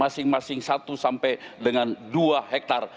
masing masing satu sampai dengan dua hektare